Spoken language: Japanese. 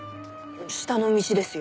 下の道ですよ。